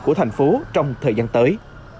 của thành phố trong thời gian tới